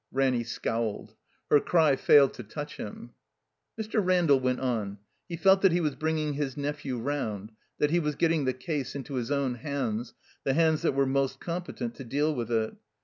Ranny scowled. Her cry failed to touch him. Mr. Randall went on. He felt that he was bring ing his nephew rotmd, that he was getting the case into his own hands, the hands that were most com petent to deal with it.